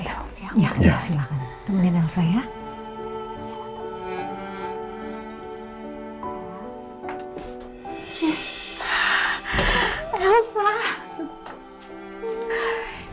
ada jess ini